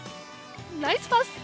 ナイスパス！